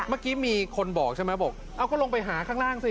เมื่อกี้มีคนบอกใช่ไหมบอกเอาก็ลงไปหาข้างล่างสิ